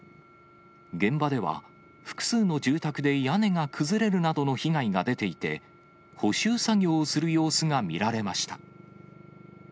現場では複数の住宅で屋根が崩れるなどの被害が出ていて、補修作業をする様子が見られました。